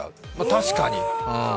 確かに！